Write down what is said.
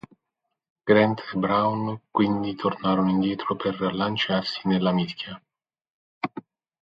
Grant e Brown quindi tornarono indietro per lanciarsi nella mischia.